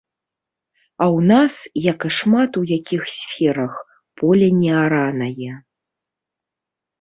А ў нас, як і шмат у якіх сферах, поле неаранае.